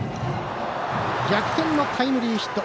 逆転のタイムリーヒット。